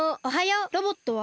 ロボットは？